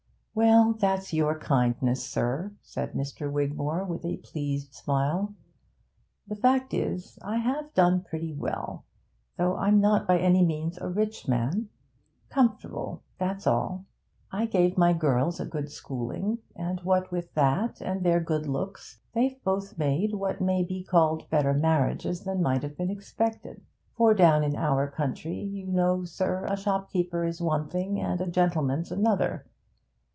'Well, that's your kindness, sir,' said Wigmore, with a pleased smile. 'The fact is, I have done pretty well, though I'm not by any means a rich man: comfortable, that's all. I gave my girls a good schooling, and what with that and their good looks, they've both made what may be called better marriages than might have been expected. For down in our country, you know, sir, a shopkeeper is one thing, and a gentleman's another.